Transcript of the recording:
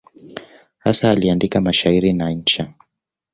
Hasa aliandika mashairi na insha.